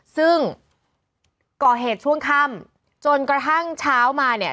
ซึ่งก่อเหตุช่วงค่ำจนกระทั่งเช้ามาเนี่ย